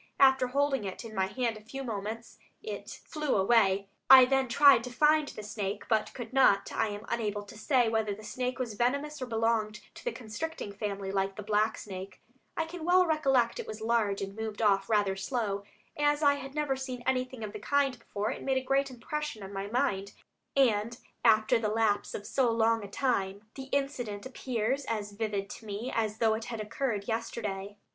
After holding it in my hand a few moments it flew away. I then tried to find the snake, but could not. I am unable to say whether the snake was venomous or belonged to the constricting family, like the black snake. I can well recollect it was large and moved off rather slow. As I had never seen anything of the kind before, it made a great impression on my mind, and after the lapse of so long a time, the incident appears as vivid to me as though it had occurred yesterday."